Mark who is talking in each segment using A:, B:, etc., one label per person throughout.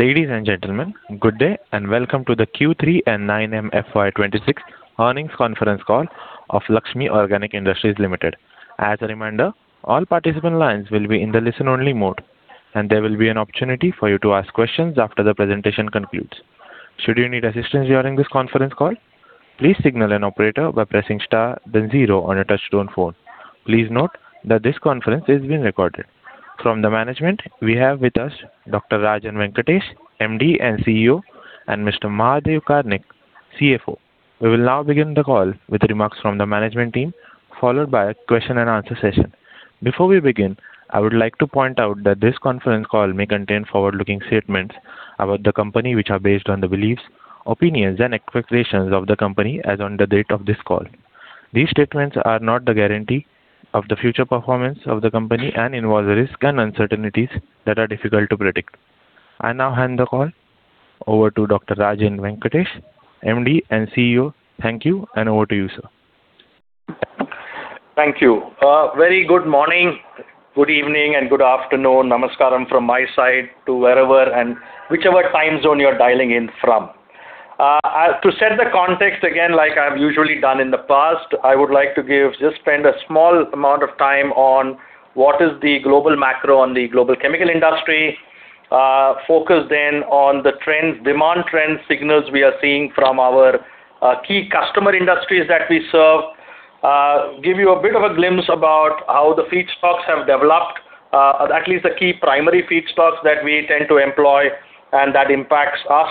A: Ladies and gentlemen, good day, and welcome to the Q3 and 9M FY 2026 earnings conference call of Lakshmi Organic Industries Limited. As a reminder, all participant lines will be in the listen-only mode, and there will be an opportunity for you to ask questions after the presentation concludes. Should you need assistance during this conference call, please signal an operator by pressing star, then zero on your touchtone phone. Please note that this conference is being recorded. From the management, we have with us Dr. Rajan Venkatesh, MD and CEO, and Mr. Mahadeo Karnik, CFO. We will now begin the call with remarks from the management team, followed by a question and answer session. Before we begin, I would like to point out that this conference call may contain forward-looking statements about the company, which are based on the beliefs, opinions, and expectations of the company as on the date of this call. These statements are not the guarantee of the future performance of the company and involve risks and uncertainties that are difficult to predict. I now hand the call over to Dr. Rajan Venkatesh, MD and CEO. Thank you, and over to you, sir.
B: Thank you. Very good morning, good evening, and good afternoon. Namaskaram from my side to wherever and whichever time zone you're dialing in from. To set the context again, like I've usually done in the past, I would like to give just spend a small amount of time on what is the global macro on the global chemical industry, focus then on the trends, demand trend signals we are seeing from our key customer industries that we serve, give you a bit of a glimpse about how the feedstocks have developed, at least the key primary feedstocks that we tend to employ and that impacts us.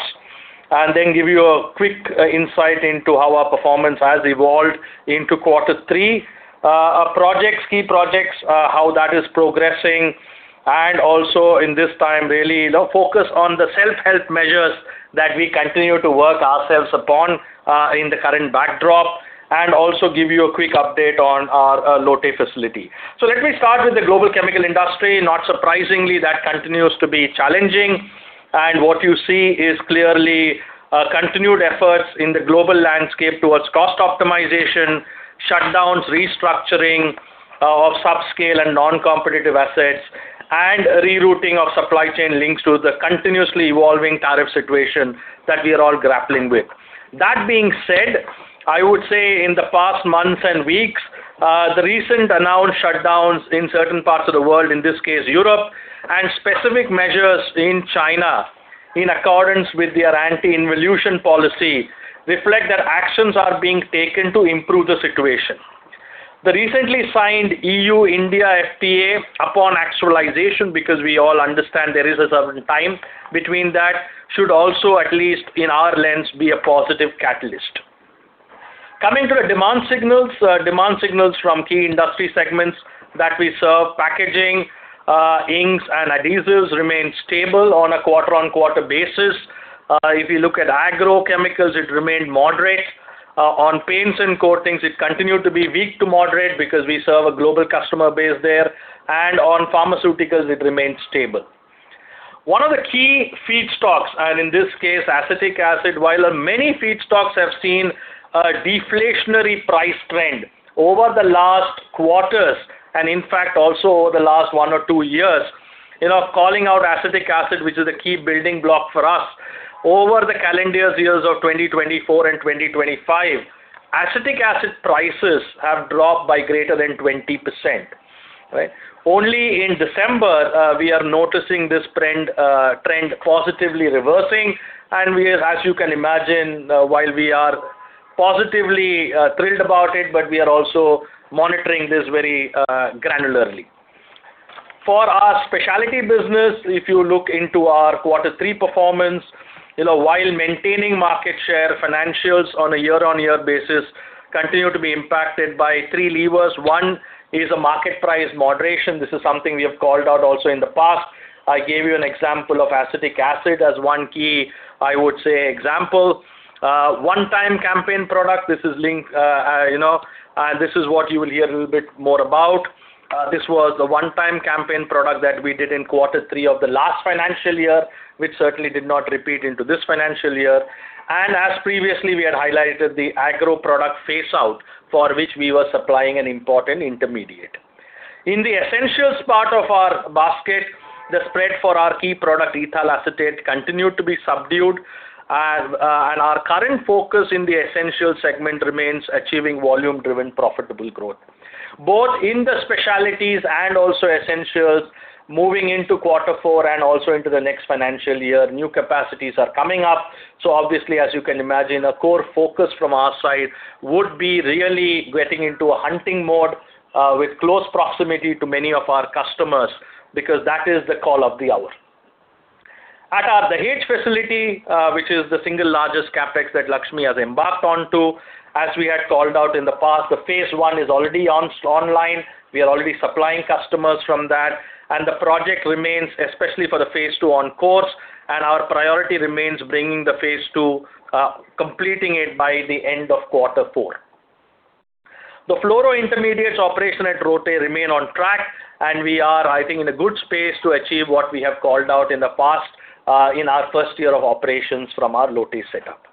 B: And then give you a quick insight into how our performance has evolved into quarter three. Our projects, key projects, how that is progressing, and also in this time, really, you know, focus on the self-help measures that we continue to work ourselves upon, in the current backdrop, and also give you a quick update on our, Lote facility. So let me start with the global chemical industry. Not surprisingly, that continues to be challenging, and what you see is clearly, continued efforts in the global landscape towards cost optimization, shutdowns, restructuring of subscale and non-competitive assets, and rerouting of supply chain links to the continuously evolving tariff situation that we are all grappling with. That being said, I would say in the past months and weeks, the recent announced shutdowns in certain parts of the world, in this case, Europe, and specific measures in China, in accordance with their anti-involution policy, reflect that actions are being taken to improve the situation. The recently signed EU-India FTA upon actualization, because we all understand there is a certain time between that, should also, at least in our lens, be a positive catalyst. Coming to the demand signals, demand signals from key industry segments that we serve, packaging, inks, and adhesives remain stable on a quarter-on-quarter basis. If you look at agrochemicals, it remained moderate. On paints and coatings, it continued to be weak to moderate because we serve a global customer base there. And on pharmaceuticals, it remains stable. One of the key feedstocks, and in this case, acetic acid, while many feedstocks have seen a deflationary price trend over the last quarters, and in fact, also over the last 1 or 2 years, you know, calling out acetic acid, which is a key building block for us, over the calendar years of 2024 and 2025, acetic acid prices have dropped by greater than 20%, right? Only in December, we are noticing this trend positively reversing, and we are, as you can imagine, while we are positively, thrilled about it, but we are also monitoring this very, granularly. For our specialty business, if you look into our quarter three performance, you know, while maintaining market share, financials on a year-on-year basis continue to be impacted by three levers. One is a market price moderation. This is something we have called out also in the past. I gave you an example of acetic acid as one key, I would say, example. One-time campaign product, this is linked, you know, and this is what you will hear a little bit more about. This was the one-time campaign product that we did in quarter three of the last financial year, which certainly did not repeat into this financial year. And as previously, we had highlighted the agro product phase out, for which we were supplying an important intermediate. In the Essentials part of our basket, the spread for our key product, ethyl acetate, continued to be subdued, and our current focus in the Essentials segment remains achieving volume-driven, profitable growth. Both in the specialties and also essentials, moving into quarter four and also into the next financial year, new capacities are coming up, so obviously, as you can imagine, a core focus from our side would be really getting into a hunting mode, with close proximity to many of our customers, because that is the call of the hour. At our Dahej facility, which is the single largest CapEx that Lakshmi has embarked onto, as we had called out in the past, the phase one is already online. We are already supplying customers from that, and the project remains, especially for the phase two on course, and our priority remains bringing the phase two, completing it by the end of quarter four. The fluoro intermediates operation at Lote remain on track, and we are, I think, in a good space to achieve what we have called out in the past, in our first year of operations from our Lote setup.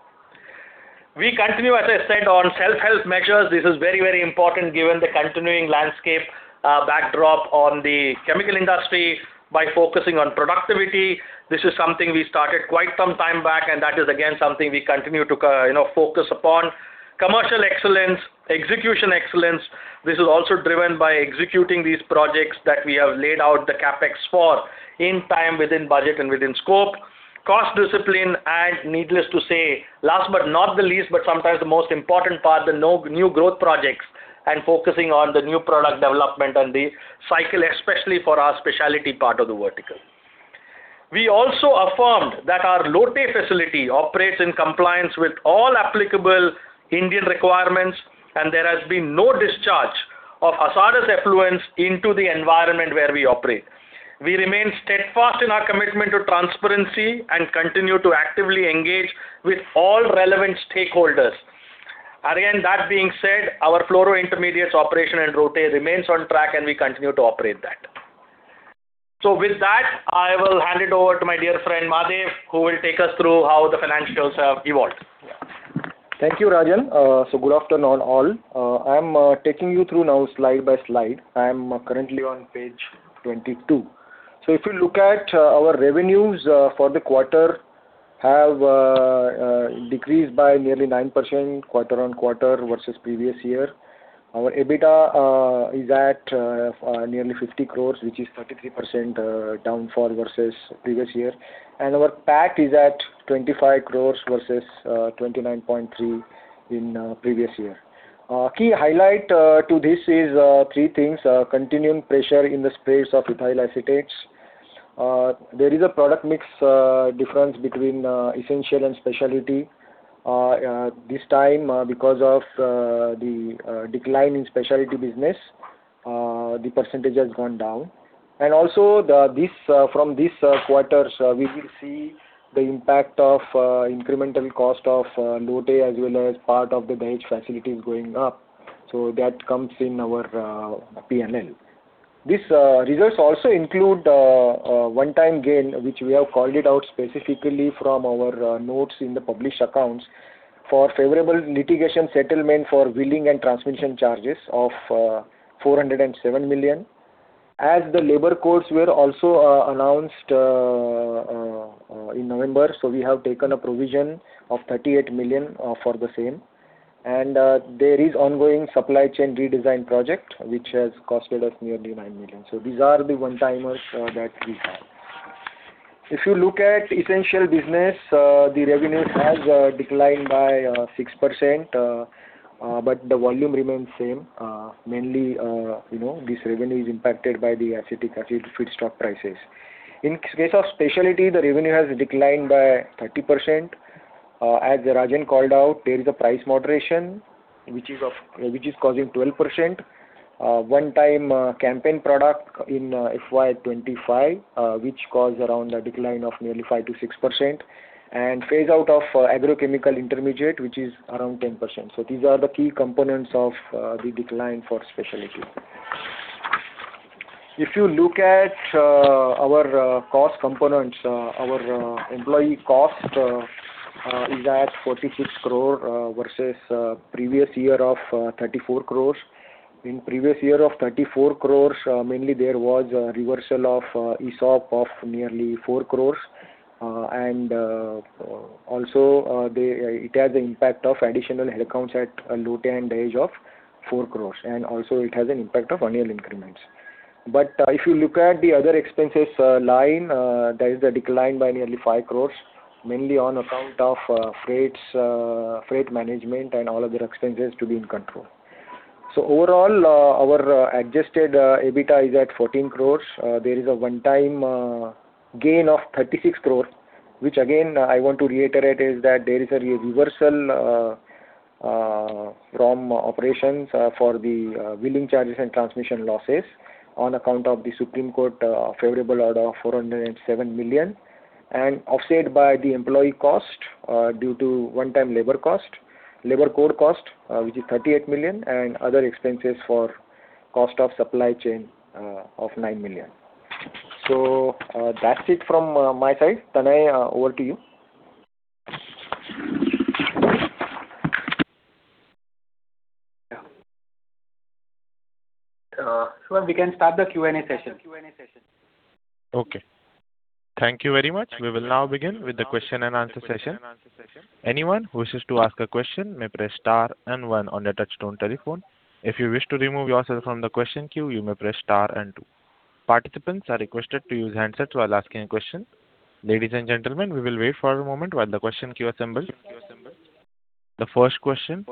B: We continue, as I said, on self-help measures. This is very, very important, given the continuing landscape, backdrop on the chemical industry by focusing on productivity. This is something we started quite some time back, and that is again, something we continue to, you know, focus upon. Commercial excellence, execution excellence, this is also driven by executing these projects that we have laid out the CapEx for, in time, within budget and within scope. Cost discipline, and needless to say, last but not the least, but sometimes the most important part, the no new growth projects and focusing on the new product development and the cycle, especially for our specialty part of the vertical. We also affirmed that our Lote facility operates in compliance with all applicable Indian requirements, and there has been no discharge of hazardous effluents into the environment where we operate. We remain steadfast in our commitment to transparency and continue to actively engage with all relevant stakeholders. Again, that being said, our fluoro intermediates operation in Lote remains on track, and we continue to operate that. So with that, I will hand it over to my dear friend, Mahadeo, who will take us through how the financials have evolved.
C: Thank you, Rajan. So good afternoon, all. I'm taking you through now slide by slide. I'm currently on page 22. So if you look at our revenues for the quarter, have decreased by nearly 9% quarter-over-quarter versus previous year. Our EBITDA is at nearly 50 crores, which is 33% downfall versus previous year. And our PAT is at 25 crores versus 29.3 in previous year. Key highlight to this is three things: continuing pressure in the space of ethyl acetate. There is a product mix difference between essential and specialty. This time, because of the decline in specialty business, the percentage has gone down. And also, this from this quarter's we will see the impact of incremental cost of Lote as well as part of the Dahej facility going up. So that comes in our PNL. This results also include a one-time gain, which we have called it out specifically from our notes in the published accounts, for favorable litigation settlement for wheeling and transmission charges of 407 million. As the labor courts were also announced in November, so we have taken a provision of 38 million for the same. And there is ongoing supply chain redesign project, which has cost us nearly 9 million. So these are the one-timers that we have. If you look at essential business, the revenues have declined by 6%, but the volume remains same. Mainly, you know, this revenue is impacted by the acetic acid feedstock prices. In case of specialty, the revenue has declined by 30%. As Rajan called out, there is a price moderation, which is causing 12%, one-time campaign product in FY 2025, which caused around a decline of nearly 5%-6%, and phase out of agrochemical intermediate, which is around 10%. So these are the key components of the decline for specialty. If you look at our cost components, our employee cost is at 46 crore versus previous year of 34 crore. In previous year of 34 crore, mainly there was a reversal of ESOP of nearly 4 crore. And also, it has an impact of additional headcounts at Lote and Dahej of 4 crore, and also it has an impact of annual increments. But if you look at the other expenses line, there is a decline by nearly 5 crore, mainly on account of freights, freight management and all other expenses to be in control. So overall, our adjusted EBITDA is at 14 crore. There is a one-time gain of 36 crores, which again, I want to reiterate, is that there is a reversal from operations for the wheeling charges and transmission losses on account of the Supreme Court favorable order of 407 million, and offset by the employee cost due to one-time labor cost, labor court cost, which is 38 million, and other expenses for cost of supply chain of 9 million. So, that's it from my side. Tanay, over to you.
B: Yeah. So we can start the Q&A session.
A: Okay. Thank you very much. We will now begin with the question and answer session. Anyone who wishes to ask a question may press star and one on their touchtone telephone. If you wish to remove yourself from the question queue, you may press star and two. Participants are requested to use handsets while asking a question. Ladies and gentlemen, we will wait for a moment while the question queue assembles. The first question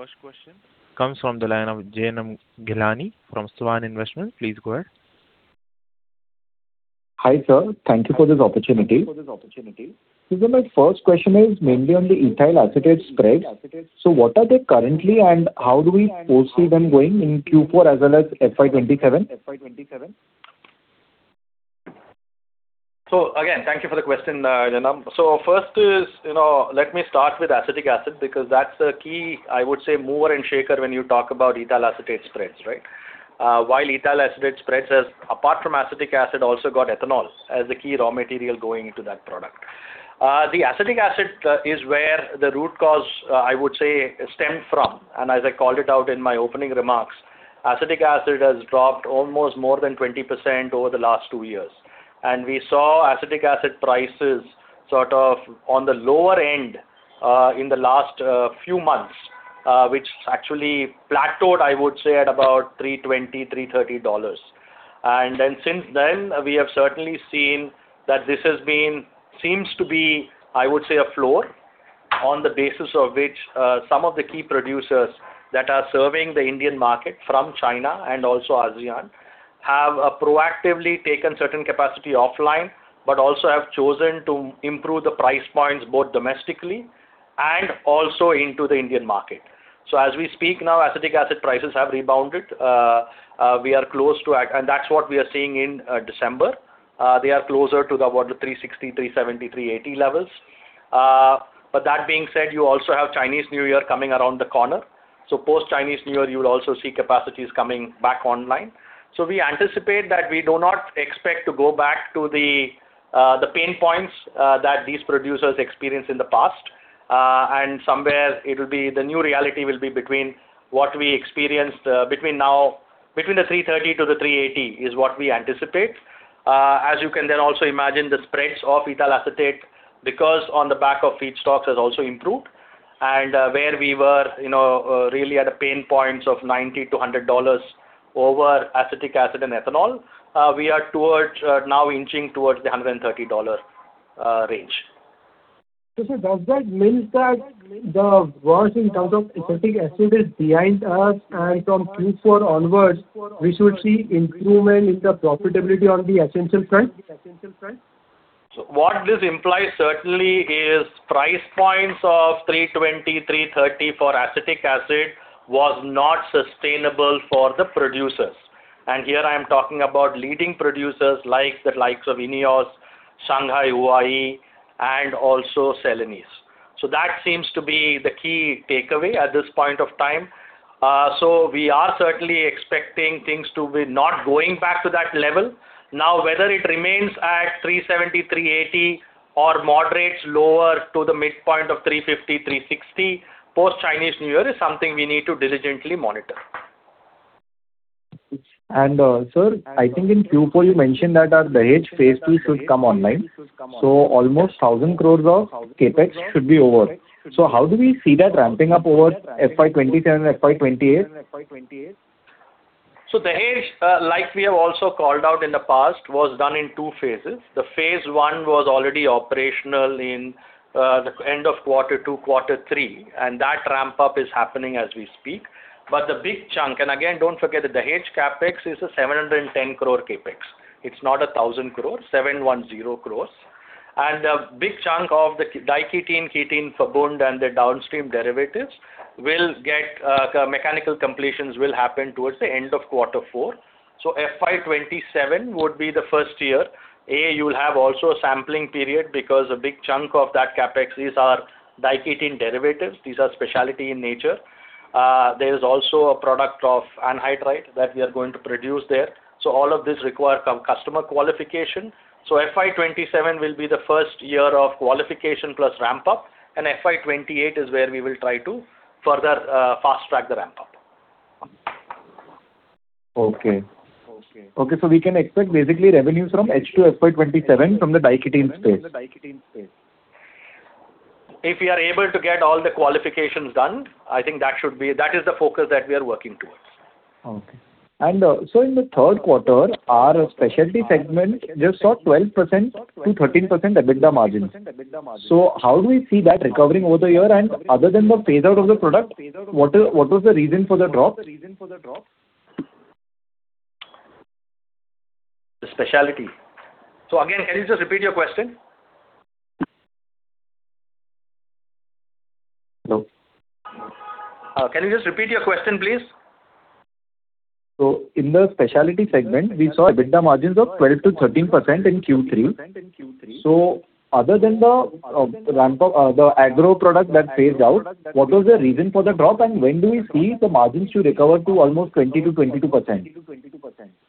A: comes from the line of Jainam Ghelani from Svan Investments. Please go ahead.
D: Hi, sir. Thank you for this opportunity. So my first question is mainly on the Ethyl Acetate spreads. So what are they currently, and how do we foresee them going in Q4 as well as FY 2027?
B: So again, thank you for the question, Janam. So first is, you know, let me start with acetic acid, because that's the key, I would say, mover and shaker when you talk about ethyl acetate spreads, right? While ethyl acetate spreads, apart from acetic acid, also got ethanol as the key raw material going into that product. The acetic acid is where the root cause, I would say, stemmed from, and as I called it out in my opening remarks, acetic acid has dropped almost more than 20% over the last two years. And we saw acetic acid prices sort of on the lower end in the last few months, which actually plateaued, I would say, at about $320-$330. And then, since then, we have certainly seen that this has been, seems to be, I would say, a floor, on the basis of which, some of the key producers that are serving the Indian market from China and also ASEAN, have, proactively taken certain capacity offline, but also have chosen to improve the price points, both domestically and also into the Indian market. So as we speak now, Acetic Acid prices have rebounded. We are close to, and that's what we are seeing in December. They are closer to the order of $360, $370, $380 levels. But that being said, you also have Chinese New Year coming around the corner. So post-Chinese New Year, you will also see capacities coming back online. So we anticipate that we do not expect to go back to the pain points that these producers experienced in the past. And somewhere it will be, the new reality will be between what we experienced between now, between $3.30-$3.80, is what we anticipate. As you can then also imagine, the spreads of ethyl acetate, because on the back of feedstocks, has also improved. Where we were, you know, really at a pain points of $90-$100 over acetic acid and ethanol, we are towards now inching towards the $130 range.
D: So, sir, does that mean that the worst in terms of acetic acid is behind us, and from Q4 onwards, we should see improvement in the profitability on the essential front?
B: So what this implies certainly is price points of $320-$330 for acetic acid was not sustainable for the producers. And here I am talking about leading producers, like the likes of INEOS, Shanghai Huayi, and also Celanese. So that seems to be the key takeaway at this point of time. So we are certainly expecting things to be not going back to that level. Now, whether it remains at $370-$380 or moderates lower to the midpoint of $350-$360, post-Chinese New Year, is something we need to diligently monitor.
D: Sir, I think in Q4, you mentioned that our Dahej phase two should come online, so almost 1,000 crore of CapEx should be over. How do we see that ramping up over FY 2027, FY 2028?
B: So Dahej, like we have also called out in the past, was done in two phases. The phase one was already operational in the end of quarter two, quarter three, and that ramp-up is happening as we speak. But the big chunk... And again, don't forget, the Dahej CapEx is a 710 crore CapEx. It's not a thousand crores, 710 crores. And a big chunk of the diketene, ketene, phosgene and the downstream derivatives will get mechanical completions will happen towards the end of quarter four. So FY 2027 would be the first year. A, you will have also a sampling period, because a big chunk of that CapEx, these are diketene derivatives. These are specialty in nature. There is also a product of anhydride that we are going to produce there. So all of this require customer qualification. FY 2027 will be the first year of qualification plus ramp-up, and FY 2028 is where we will try to further fast-track the ramp-up.
D: Okay. Okay, so we can expect basically revenues from H2 FY 2027 from the diketene space?
B: If we are able to get all the qualifications done, I think that should be. That is the focus that we are working towards.
D: Okay. So in the third quarter, our specialty segment just saw 12%-13% EBITDA margins. So how do we see that recovering over the year? And other than the fade-out of the product, what was the reason for the drop?
B: The specialty. So again, can you just repeat your question?
D: Hello.
B: Can you just repeat your question, please?
D: So in the specialty segment, we saw EBITDA margins of 12%-13% in Q3. So other than the ramp-up, the agro product that phased out, what was the reason for the drop, and when do we see the margins to recover to almost 20%-22%?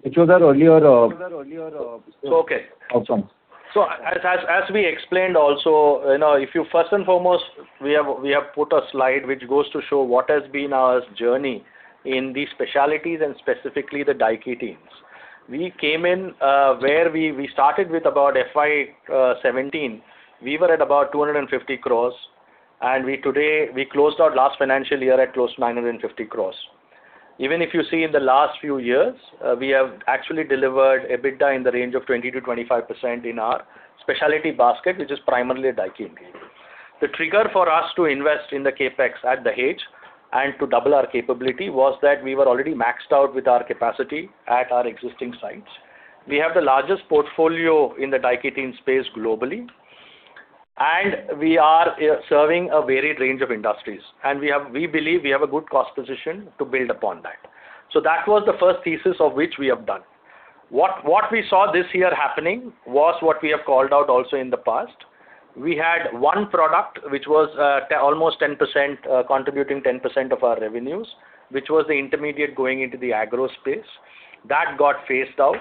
D: Which was our earlier-
B: So, okay.
D: Outcomes.
B: So, as we explained also, you know, if you first and foremost, we have put a slide which goes to show what has been our journey in these specialties and specifically the diketenes. We came in, where we started with about FY 2017, we were at about 250 crores, and today we closed our last financial year at close to 950 crores. Even if you see in the last few years, we have actually delivered EBITDA in the range of 20%-25% in our specialty basket, which is primarily diketene. The trigger for us to invest in the CapEx at Dahej and to double our capability was that we were already maxed out with our capacity at our existing sites. We have the largest portfolio in the diketene space globally, and we are serving a varied range of industries. We have. We believe we have a good cost position to build upon that. So that was the first thesis of which we have done. What we saw this year happening was what we have called out also in the past. We had one product which was almost 10%, contributing 10% of our revenues, which was the intermediate going into the agro space. That got phased out.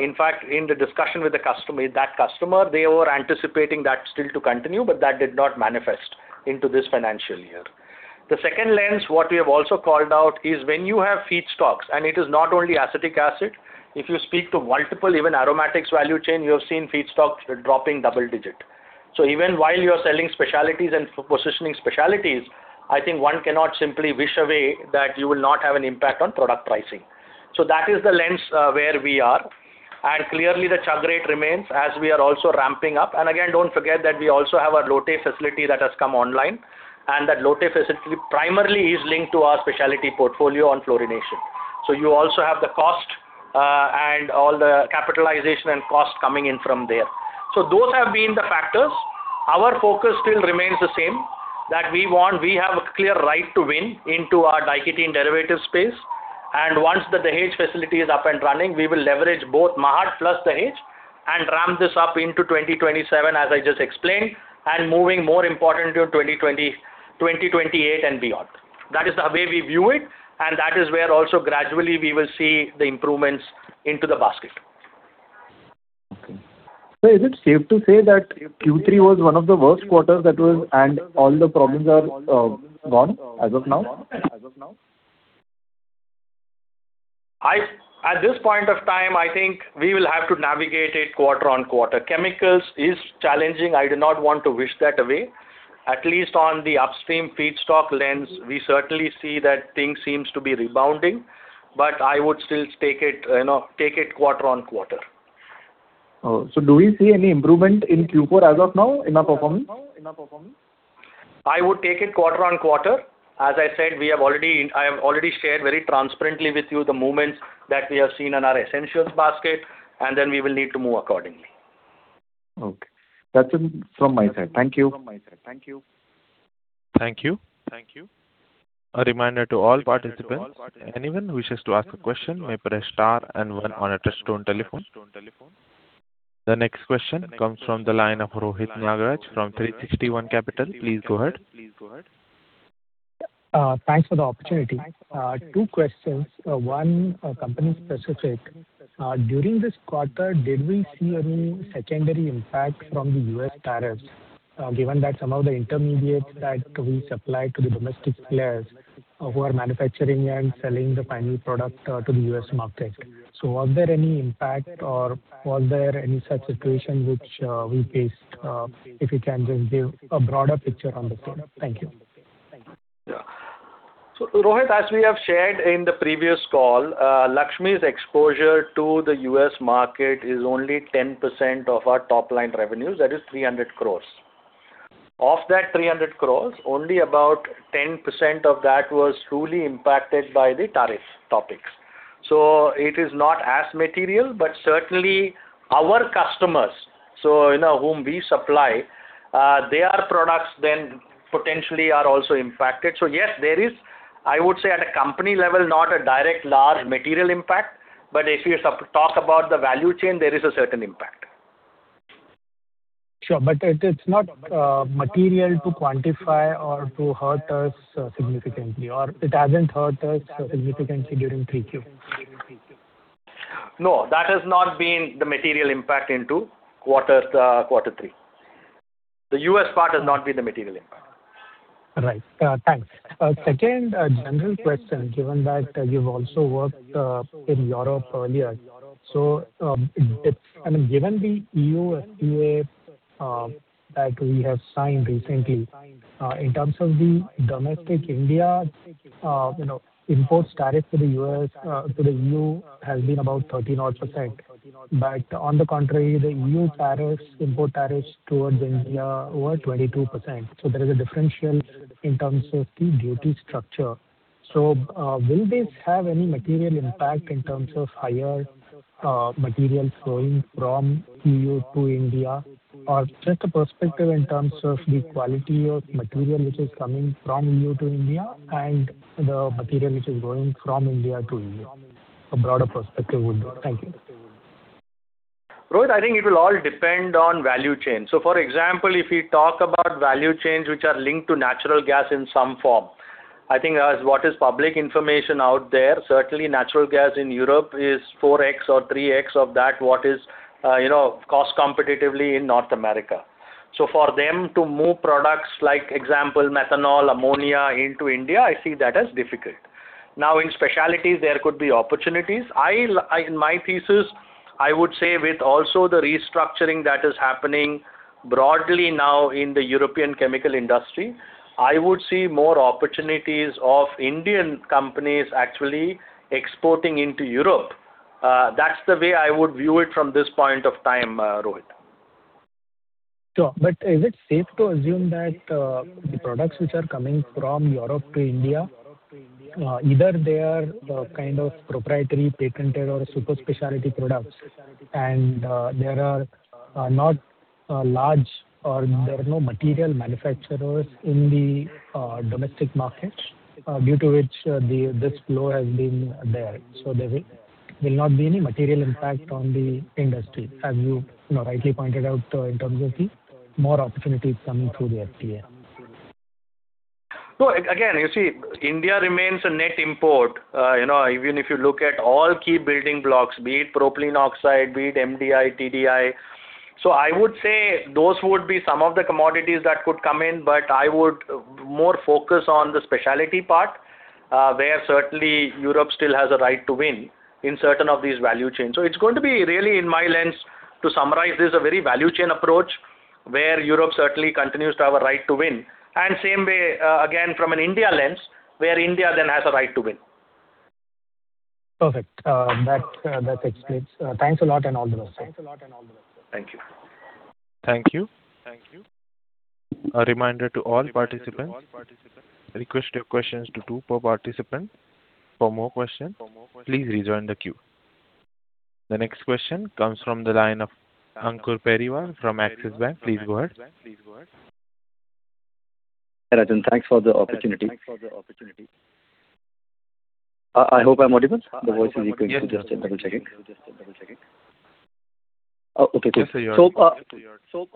B: In fact, in the discussion with the customer, that customer, they were anticipating that still to continue, but that did not manifest into this financial year. The second lens, what we have also called out, is when you have feedstocks, and it is not only acetic acid, if you speak to multiple, even aromatics value chain, you have seen feedstocks dropping double-digit. So even while you are selling specialties and positioning specialties, I think one cannot simply wish away that you will not have an impact on product pricing. So that is the lens, where we are, and clearly, the charge rate remains as we are also ramping up. And again, don't forget that we also have our Lote facility that has come online, and that Lote facility primarily is linked to our specialty portfolio on fluorination. So you also have the cost, and all the capitalization and cost coming in from there. So those have been the factors. Our focus still remains the same, that we want—we have a clear right to win into our diketene derivative space, and once the Dahej facility is up and running, we will leverage both Mahad plus Dahej and ramp this up into 2027, as I just explained, and moving more importantly to 2020, 2028 and beyond. That is the way we view it, and that is where also gradually we will see the improvements into the basket.
D: Okay. So is it safe to say that Q3 was one of the worst quarters that was, and all the problems are gone as of now?
B: At this point of time, I think we will have to navigate it quarter-over-quarter. Chemicals is challenging. I do not want to wish that away. At least on the upstream feedstock lens, we certainly see that things seems to be rebounding, but I would still take it, you know, take it quarter-over-quarter.
D: Oh, so do we see any improvement in Q4 as of now in our performance?
B: I would take it quarter-on-quarter. As I said, we have already, I have already shared very transparently with you the movements that we have seen in our essentials basket, and then we will need to move accordingly.
D: Okay. That's it from my side. Thank you.
A: Thank you. A reminder to all participants, anyone wishes to ask a question may press star and one on your touchtone telephone. The next question comes from the line of Rohit Nagaraj from 360 ONE. Please go ahead.
E: Thanks for the opportunity. Two questions. One, company specific. During this quarter, did we see any secondary impact from the U.S. tariffs, given that some of the intermediates that we supply to the domestic players, who are manufacturing and selling the final product, to the U.S. market? So was there any impact or was there any such situation which, we faced? If you can just give a broader picture on the same. Thank you.
B: Yeah. So Rohit, as we have shared in the previous call, Lakshmi's exposure to the U.S. market is only 10% of our top line revenues, that is 300 crores. Of that 300 crores, only about 10% of that was truly impacted by the tariff topics. So it is not as material, but certainly our customers, so you know, whom we supply, their products then potentially are also impacted. So yes, there is, I would say, at a company level, not a direct large material impact, but if you talk about the value chain, there is a certain impact.
E: Sure, but it's not material to quantify or to hurt us significantly, or it hasn't hurt us significantly during 3Q?
B: No, that has not been the material impact into quarter, quarter three. The U.S. part has not been the material impact.
E: All right, thanks. Second, general question, given that you've also worked in Europe earlier. So, it's. I mean, given the E.U. FTA that we have signed recently, in terms of the domestic India, you know, import tariffs to the U.S., to the E.U., has been about 13-odd%. But on the contrary, the E.U. tariffs, import tariffs towards India were 22%. So there is a differential in terms of the duty structure. So, will this have any material impact in terms of higher materials flowing from E.U. to India? Or just a perspective in terms of the quality of material which is coming from E.U. to India and the material which is going from India to E.U. A broader perspective would do. Thank you.
B: Rohit, I think it will all depend on value chain. So for example, if we talk about value chains which are linked to natural gas in some form, I think as what is public information out there, certainly natural gas in Europe is 4x or 3x of that, what is, you know, cost competitively in North America. So for them to move products, like example, methanol, ammonia, into India, I see that as difficult. Now, in specialties, there could be opportunities. In my thesis, I would say with also the restructuring that is happening broadly now in the European chemical industry, I would see more opportunities of Indian companies actually exporting into Europe. That's the way I would view it from this point of time, Rohit.
E: Sure, but is it safe to assume that the products which are coming from Europe to India either they are kind of proprietary, patented or super specialty products, and there are not large or there are no material manufacturers in the domestic market due to which this flow has been there. So there will not be any material impact on the industry, as you know, rightly pointed out in terms of the more opportunities coming through the FTA.
B: So again, you see, India remains a net import. You know, even if you look at all key building blocks, be it propylene oxide, be it MDI, TDI. So I would say those would be some of the commodities that could come in, but I would more focus on the specialty part, where certainly Europe still has a right to win in certain of these value chains. So it's going to be really, in my lens, to summarize, this is a very value chain approach, where Europe certainly continues to have a right to win. And same way, again, from an India lens, where India then has a right to win.
E: Perfect. That explains. Thanks a lot, and all the best.
B: Thank you.
A: Thank you. A reminder to all participants, request your questions to two per participant. For more questions, please rejoin the queue. The next question comes from the line of Ankur Periwal from Axis Capital. Please go ahead.
F: Hi, Rajan. Thanks for the opportunity. I hope I'm audible? The voice is echoing, just a double checking. Okay, good.
B: Yes, you are.
F: So,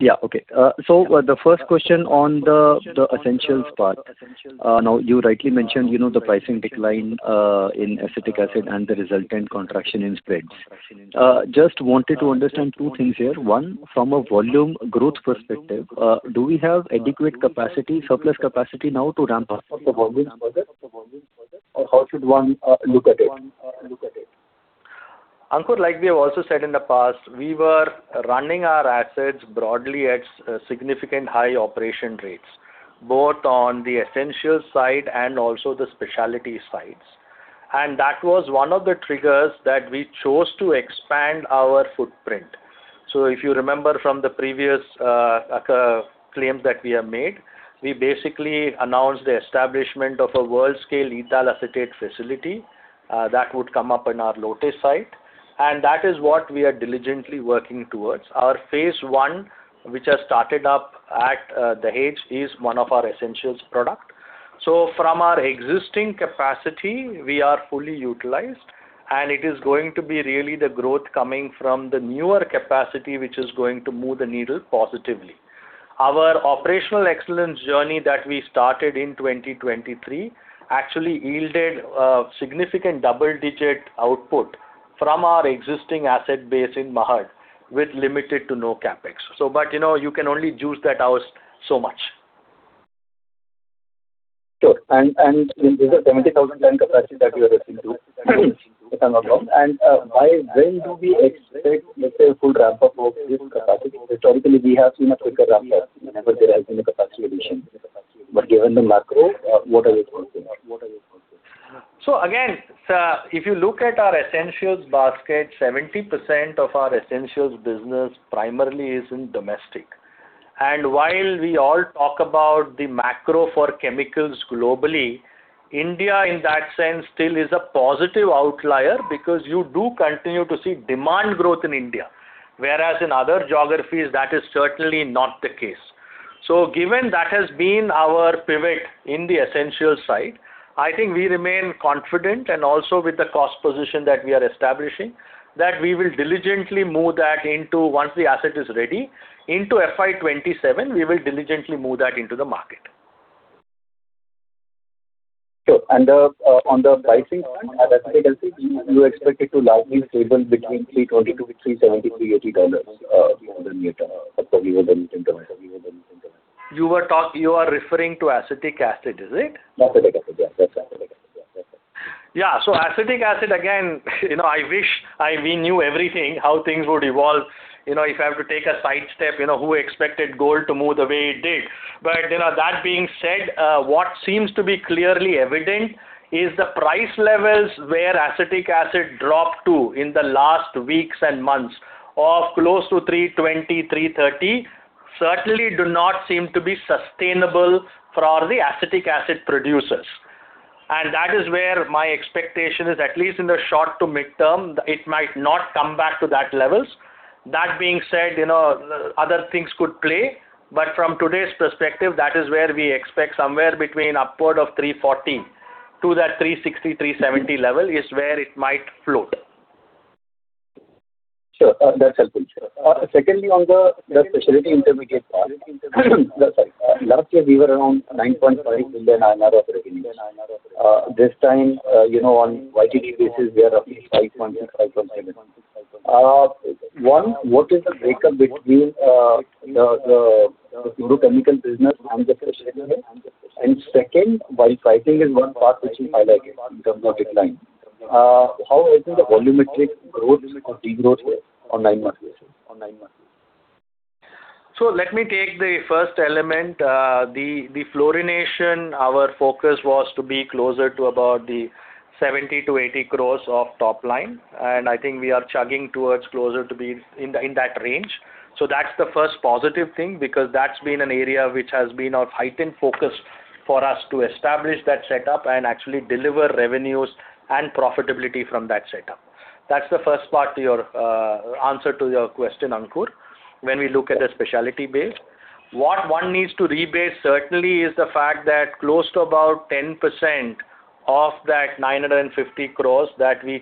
F: yeah, okay. So the first question on the essentials part. Now, you rightly mentioned, you know, the pricing decline in acetic acid and the resultant contraction in spreads. Just wanted to understand two things here. One, from a volume growth perspective, do we have adequate capacity, surplus capacity now to ramp up the volumes further? Or how should one look at it?
B: Ankur, like we have also said in the past, we were running our assets broadly at significant high operation rates, both on the essentials side and also the specialty sides. That was one of the triggers that we chose to expand our footprint. If you remember from the previous claims that we have made, we basically announced the establishment of a world-scale ethyl acetate facility that would come up in our Lote site, and that is what we are diligently working towards. Our phase one, which has started up at Dahej, is one of our essentials product. From our existing capacity, we are fully utilized, and it is going to be really the growth coming from the newer capacity, which is going to move the needle positively. Our operational excellence journey that we started in 2023 actually yielded a significant double-digit output from our existing asset base in Mahad, with limited to no CapEx. So but, you know, you can only juice that out so much.
F: Sure. And, is the 70,000-ton capacity that you are referring to, if I'm not wrong? And, by when do we expect, let's say, a full ramp-up of this capacity? Historically, we have seen a quicker ramp-up whenever there has been a capacity addition. But given the macro, what are we looking at?
B: So again, if you look at our essentials basket, 70% of our essentials business primarily is in domestic. And while we all talk about the macro for chemicals globally, India, in that sense, still is a positive outlier because you do continue to see demand growth in India, whereas in other geographies, that is certainly not the case. So given that has been our pivot in the essentials side, I think we remain confident, and also with the cost position that we are establishing, that we will diligently move that into... Once the asset is ready, into FY 2027, we will diligently move that into the market.
F: Sure. On the pricing front, acetic acid, you expect it to largely stable between $320 to $370-$380 per MT, that's what you were thinking about?
B: You are referring to acetic acid, is it?
F: Acetic acid, yeah. That's acetic acid. Yeah.
B: Yeah, so acetic acid again, you know, I wish I, we knew everything, how things would evolve. You know, if I have to take a side step, you know, who expected gold to move the way it did? But, you know, that being said, what seems to be clearly evident is the price levels where acetic acid dropped to in the last weeks and months, of close to $320, $330, certainly do not seem to be sustainable for all the acetic acid producers. And that is where my expectation is, at least in the short to mid-term, it might not come back to that levels. That being said, you know, other things could play, but from today's perspective, that is where we expect somewhere between upward of $314 to that $360, $370 level, is where it might float.
F: Sure. That's helpful. Secondly, on the specialty intermediate part. Sorry. Last year, we were around 9.5 in the INR operating. This time, you know, on YTD basis, we are roughly 5.6, 5.7. One, what is the breakup between the chemical business and the specialty? And second, while pricing is one part which we highlighted in terms of decline, how is the volumetric growth or degrowth here on nine months?
B: So let me take the first element. The fluorination, our focus was to be closer to about the 70-80 crores of top line, and I think we are chugging towards closer to be in, in that range. So that's the first positive thing, because that's been an area which has been of heightened focus for us to establish that setup and actually deliver revenues and profitability from that setup. That's the first part to your answer to your question, Ankur, when we look at the specialty base. What one needs to rebase, certainly, is the fact that close to about 10% of that 950 crores that we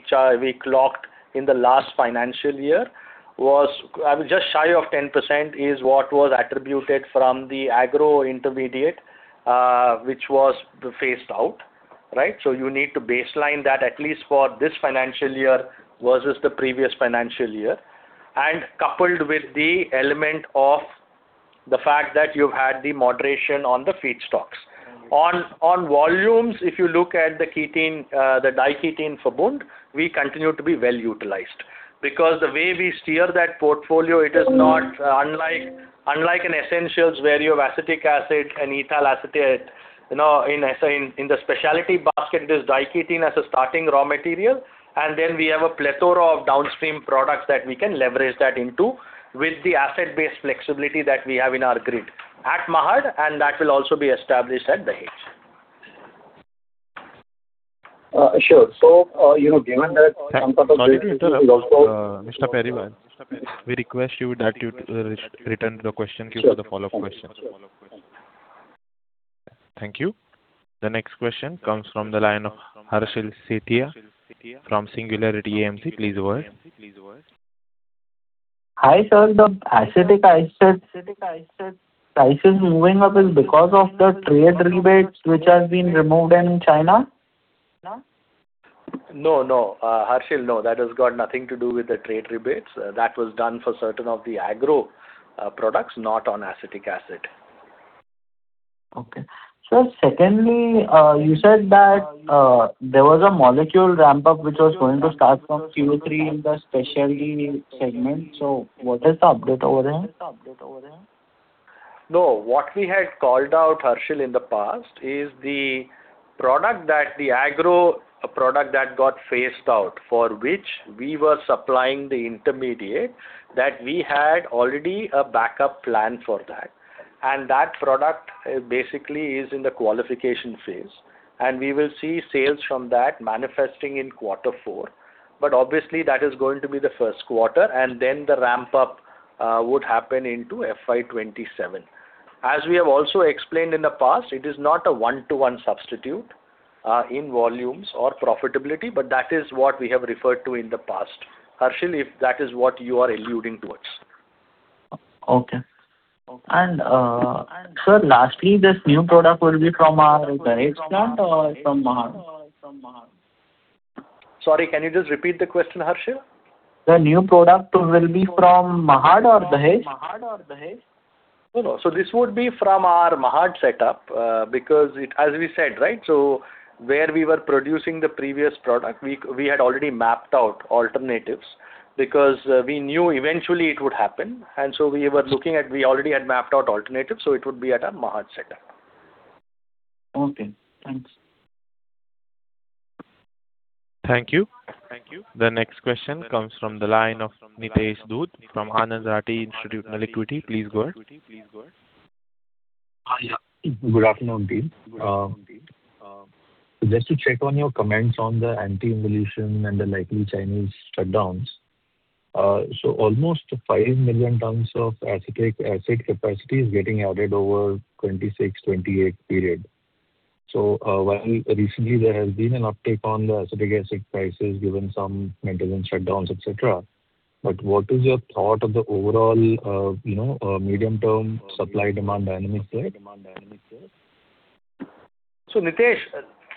B: clocked in the last financial year, was just shy of 10%, is what was attributed from the agro intermediate, which was phased out, right? So you need to baseline that at least for this financial year versus the previous financial year, and coupled with the element of the fact that you've had the moderation on the feedstocks. On volumes, if you look at the ketene, the diketene Verbund, we continue to be well-utilized. Because the way we steer that portfolio, it is not unlike an essentials where you have Acetic Acid and Ethyl Acetate, you know, in the specialty basket, it is diketene as a starting raw material, and then we have a plethora of downstream products that we can leverage that into, with the asset-based flexibility that we have in our grid at Mahad, and that will also be established at Dahej.
F: Sure. So, you know, given that-
A: Sorry to interrupt, Mr. Periwal. We request you that you return to the question queue for the follow-up question. Thank you. The next question comes from the line of Harshal Sethia from Singularity AMC. Please go ahead.
G: Hi, sir. The acetic acid, acetic acid prices moving up is because of the trade rebates which have been removed in China?
B: No, no. Harshal, no, that has got nothing to do with the trade rebates. That was done for certain of the agro products, not on acetic acid.
G: Okay. Sir, secondly, you said that there was a molecule ramp-up which was going to start from Q3 in the specialty segment. So what is the update over there?
B: No, what we had called out, Harshal, in the past, is the product that the agro, product that got phased out, for which we were supplying the intermediate, that we had already a backup plan for that. And that product, basically is in the qualification phase, and we will see sales from that manifesting in quarter four. But obviously that is going to be the first quarter, and then the ramp-up, would happen into FY 2027. As we have also explained in the past, it is not a one-to-one substitute, in volumes or profitability, but that is what we have referred to in the past. Harshal, if that is what you are alluding towards.
G: Okay. And, sir, lastly, this new product will be from our Dahej plant or from Mahad?
B: Sorry, can you just repeat the question, Harshal?
G: The new product will be from Mahad or Dahej?
B: No, no. So this would be from our Mahad setup, because it... As we said, right? So where we were producing the previous product, we had already mapped out alternatives, because we knew eventually it would happen, and so we already had mapped out alternatives, so it would be at our Mahad setup.
G: Okay. Thanks.
A: Thank you. The next question comes from the line of Nitesh Dhoot from Anand Rathi Institutional Equity. Please go ahead.
H: Hi, yeah. Good afternoon, team. Just to check on your comments on the anti-involution and the likely Chinese shutdowns. So, almost 5 million tons of acetic acid capacity is getting added over 2026-2028 period. So, while recently there has been an uptick on the acetic acid prices, given some maintenance shutdowns, et cetera, but what is your thought of the overall, you know, medium-term supply-demand dynamics there?
B: So, Nitesh,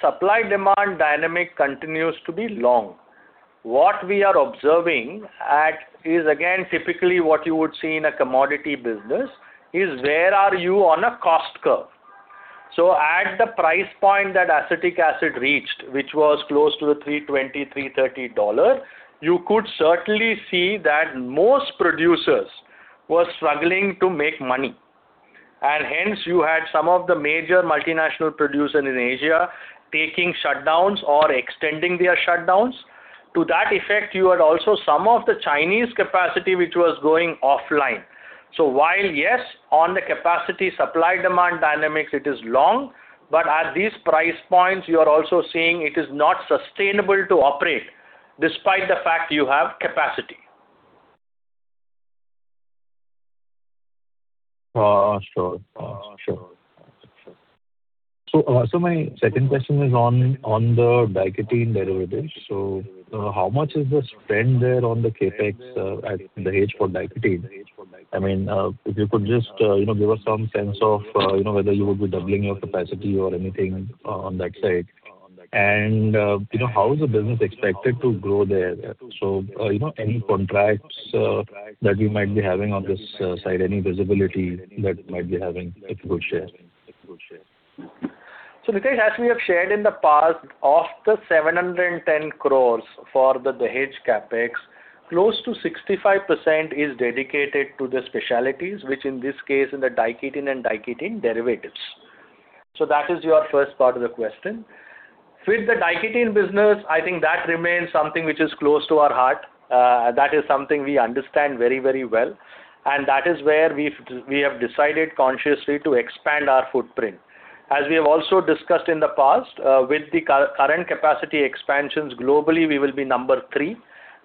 B: supply-demand dynamic continues to be long. What we are observing at, is again, typically what you would see in a commodity business, is where are you on a cost curve? So at the price point that acetic acid reached, which was close to the $320-$330, you could certainly see that most producers were struggling to make money, and hence you had some of the major multinational producer in Asia taking shutdowns or extending their shutdowns. To that effect, you had also some of the Chinese capacity, which was going offline. So while, yes, on the capacity supply-demand dynamics, it is long, but at these price points, you are also seeing it is not sustainable to operate, despite the fact you have capacity.
H: Sure. Sure. So, so my second question is on the diketene derivatives. So, how much is the spend there on the CapEx at Dahej for diketene? I mean, if you could just, you know, give us some sense of, you know, whether you would be doubling your capacity or anything, on that side. And, you know, how is the business expected to grow there? So, you know, any contracts that you might be having on this, side, any visibility that might be having, if you would share.
B: So, Nitesh, as we have shared in the past, of the 710 crore for the Dahej CapEx, close to 65% is dedicated to the specialties, which in this case, in the diketene and diketene derivatives. So that is your first part of the question. With the diketene business, I think that remains something which is close to our heart, that is something we understand very, very well, and that is where we've decided consciously to expand our footprint. As we have also discussed in the past, with the current capacity expansions globally, we will be number three.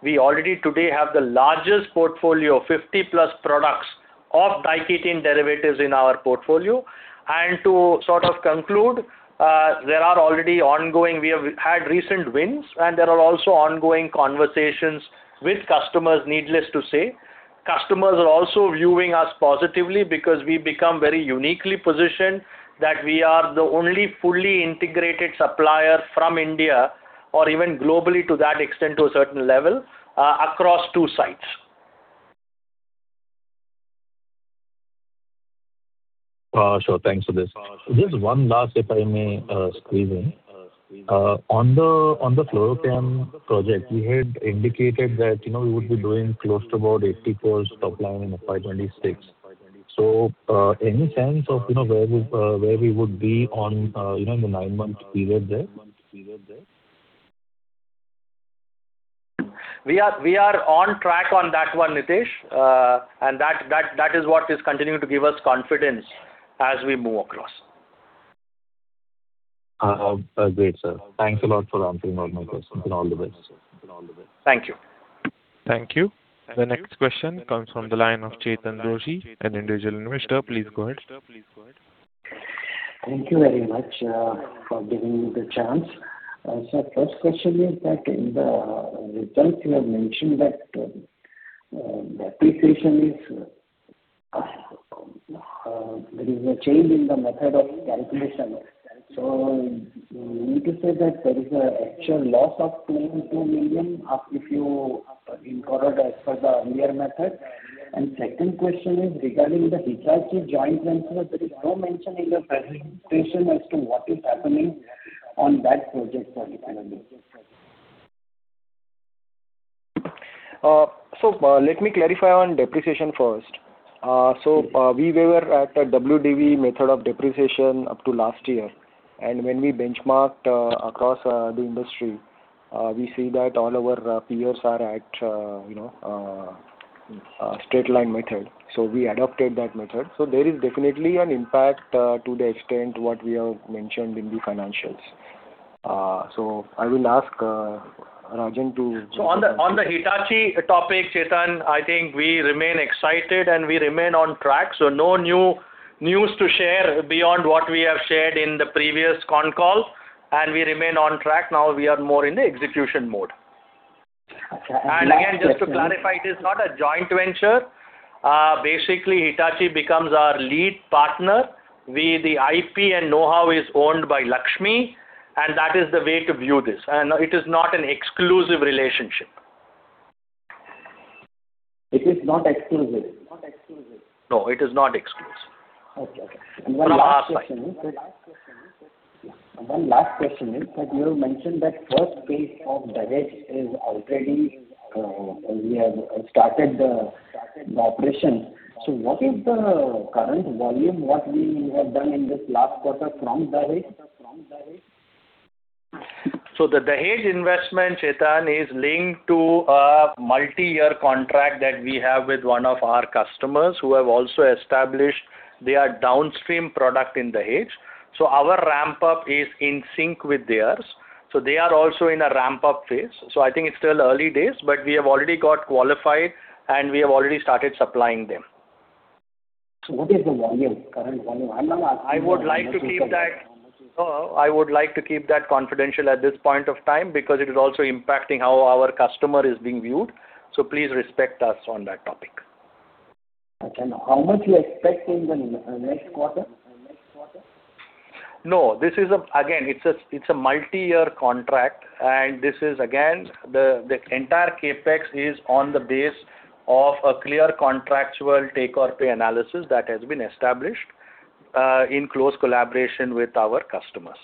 B: We already today have the largest portfolio of 50+ products of diketene derivatives in our portfolio. And to sort of conclude, there are already ongoing, we have had recent wins, and there are also ongoing conversations with customers, needless to say. Customers are also viewing us positively because we've become very uniquely positioned, that we are the only fully integrated supplier from India or even globally to that extent, to a certain level, across two sites.
H: Sure. Thanks for this. Just one last, if I may, squeeze in. On the Fluorochemicals project, we had indicated that, you know, we would be doing close to about 84 top line in the FY 2026. So, any sense of, you know, where we would be on, you know, in the nine-month period there?
B: We are on track on that one, Nitesh. That is what is continuing to give us confidence as we move across.
H: Great, sir. Thanks a lot for answering all my questions, and all the best.
B: Thank you.
A: Thank you. The next question comes from the line of Chetan Joshi, an individual investor. Please go ahead.
I: Thank you very much for giving me the chance. So first question is that in the results you have mentioned that the depreciation is there is a change in the method of calculation. So you need to say that there is a actual loss of 2 million if you incurred as per the earlier method. And second question is regarding the Hitachi joint venture. There is no mention in your presentation as to what is happening on that project specifically.
C: So, let me clarify on depreciation first. So, we were at a WDV method of depreciation up to last year, and when we benchmarked across the industry, we see that all our peers are at, you know, straight line method. So we adopted that method. So there is definitely an impact to the extent what we have mentioned in the financials. So I will ask Rajan to-
B: So on the Hitachi topic, Chetan, I think we remain excited and we remain on track. So no new news to share beyond what we have shared in the previous con call, and we remain on track. Now we are more in the execution mode.
I: Okay, and last question-
B: Again, just to clarify, it is not a joint venture. Basically, Hitachi becomes our lead partner. We, the IP and know-how is owned by Lakshmi, and that is the way to view this. And it is not an exclusive relationship.
I: It is not exclusive?
B: No, it is not exclusive.
I: Okay. Okay.
B: From our side.
I: One last question is, that you have mentioned that first phase of Dahej is already, we have started the operation. So what is the current volume, what we have done in this last quarter from Dahej?
B: So the Dahej investment, Chetan, is linked to a multi-year contract that we have with one of our customers, who have also established their downstream product in Dahej. So our ramp-up is in sync with theirs, so they are also in a ramp-up phase. So I think it's still early days, but we have already got qualified, and we have already started supplying them.
I: What is the volume, current volume? I know-
B: I would like to keep that, I would like to keep that confidential at this point of time, because it is also impacting how our customer is being viewed. So please respect us on that topic.
I: Okay. And how much you expect in the next quarter?
B: No, this is a... Again, it's a multi-year contract, and this is, again, the entire CapEx is on the base of a clear contractual take-or-pay analysis that has been established in close collaboration with our customers.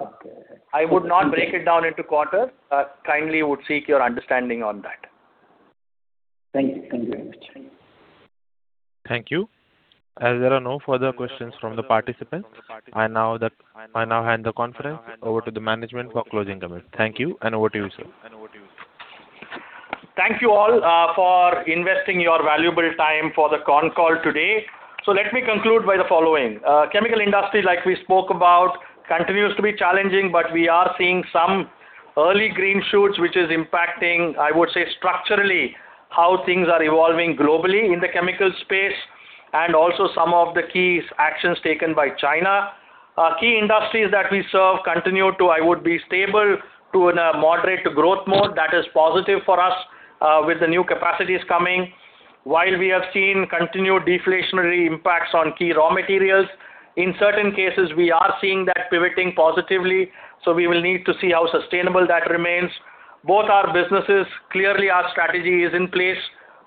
I: Okay.
B: I would not break it down into quarters. Kindly would seek your understanding on that.
I: Thank you. Thank you very much.
A: Thank you. As there are no further questions from the participants, I now hand the conference over to the management for closing comments. Thank you, and over to you, sir.
B: Thank you all, for investing your valuable time for the con call today. So let me conclude by the following. Chemical industry, like we spoke about, continues to be challenging, but we are seeing some early green shoots, which is impacting, I would say, structurally, how things are evolving globally in the chemical space, and also some of the key actions taken by China. Key industries that we serve continue to, I would be stable to in a moderate growth mode. That is positive for us, with the new capacities coming. While we have seen continued deflationary impacts on key raw materials, in certain cases, we are seeing that pivoting positively, so we will need to see how sustainable that remains. Both our businesses, clearly our strategy is in place.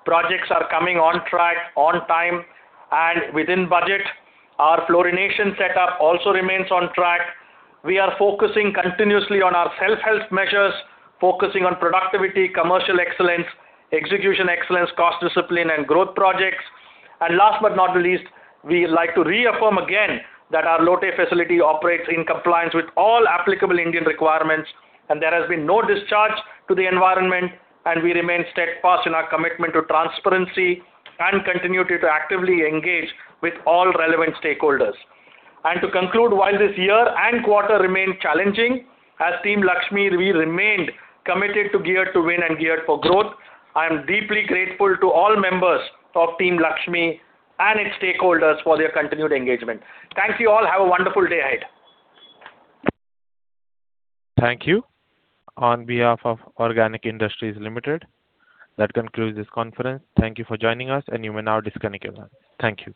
B: Projects are coming on track, on time, and within budget. Our fluorination setup also remains on track. We are focusing continuously on our self-help measures, focusing on productivity, commercial excellence, execution excellence, cost discipline, and growth projects. Last but not least, we'd like to reaffirm again that our Lote facility operates in compliance with all applicable Indian requirements, and there has been no discharge to the environment, and we remain steadfast in our commitment to transparency and continuity to actively engage with all relevant stakeholders. To conclude, while this year and quarter remain challenging, as Team Lakshmi, we remained committed to geared to win and geared for growth. I am deeply grateful to all members of Team Lakshmi and its stakeholders for their continued engagement. Thank you all. Have a wonderful day ahead.
A: Thank you. On behalf of Lakshmi Organic Industries Limited, that concludes this conference. Thank you for joining us, and you may now disconnect your line. Thank you.